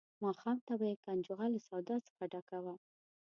ماښام ته به یې کنجغه له سودا څخه ډکه وه.